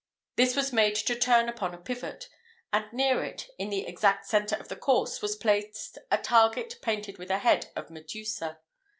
This was made to turn upon a pivot; and near it, in the exact centre of the course, was placed a target painted with a head of Medusa.